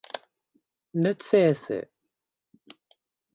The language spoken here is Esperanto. necese